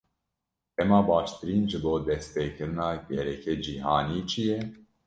Dema baştirîn ji bo destpêkirina gereke cîhanî çi ye?